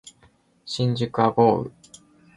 新宿は豪雨